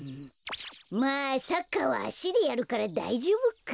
まあサッカーはあしでやるからだいじょうぶか。